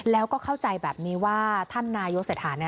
แล้วก็เข้าใจแบบนี้ว่าท่านนายกเศรษฐา